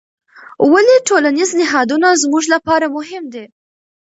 ولې ټولنیز نهادونه زموږ لپاره مهم دي؟